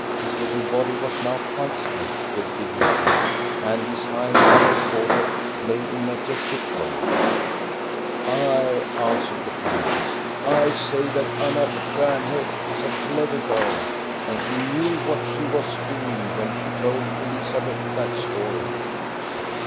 His little body was now quite stiff with dig nity, and his high, narrow forehead lay in majestic folds. " I," answered the countess, — "I say that Anna Stjarnhok is a clever girl, and she knew what she was doing when she told Elizabeth that story."